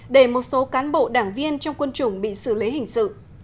để một số cán bộ đảng viên trong quân chủng bị xử lý hình sự